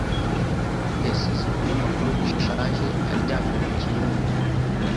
Yasize ibinyamakuru bishaje aryamye mu kirundo